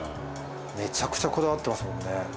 めちゃくちゃこだわってますもんね